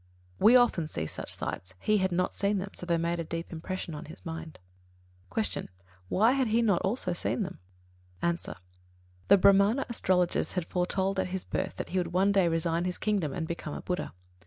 We often see such sights: he had not seen them, so they made a deep impression on his mind. 38. Q. Why had he not also seen them? A. The Brāhmana astrologers had foretold at his birth that he would one day resign his kingdom and, become a BUDDHA.